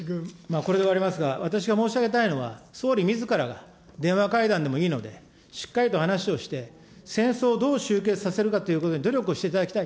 これで終わりますが、私が申し上げたいのは、総理みずからが電話会談でもいいので、しっかりと話をして、戦争をどう終結させるかということに努力をしていただきたい。